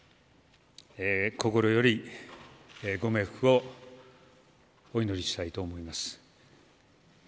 心よりご冥福をお祈りしたいと思います。